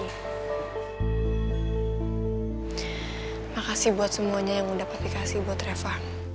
terima kasih buat semuanya yang sudah papi kasih buat reva